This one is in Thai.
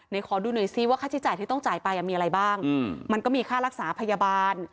ขอดูหน่อยซิว่าค่าใช้จ่ายที่ต้องจ่ายไปมีอะไรบ้างมันก็มีค่ารักษาพยาบาล